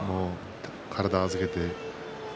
体を預けて。